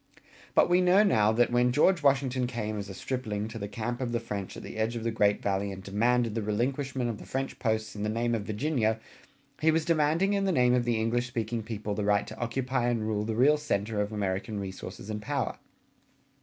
But we know now that when George Washington came as a stripling to the camp of the French at the edge of the great Valley and demanded the relinquishment of the French posts in the name of Virginia, he was demanding in the name of the English speaking people the right to occupy and rule the real center of American resources and power.